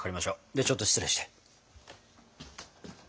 ではちょっと失礼して。